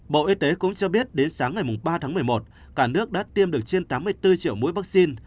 bộ y tế cũng cho biết đến sáng ngày ba tháng một mươi một cả nước đã tiêm được trên tám mươi bốn triệu mũi vaccine